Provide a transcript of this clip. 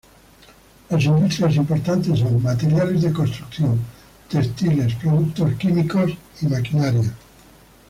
Las industrias importantes son, materiales de construcción, textiles, productos químicos y maquinaria.